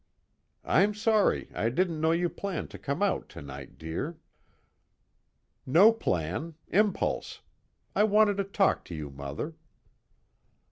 "I'm sorry I didn't know you planned to come out tonight, dear." "No plan impulse. I wanted to talk to you, Mother."